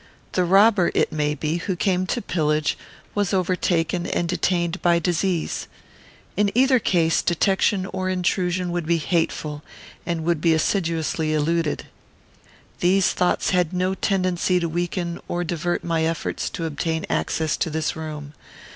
The robber, it may be, who came to pillage, was overtaken and detained by disease. In either case, detection or intrusion would be hateful, and would be assiduously eluded. These thoughts had no tendency to weaken or divert my efforts to obtain access to this room.